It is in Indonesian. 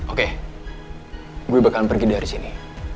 oke gue bakal pergi dari sini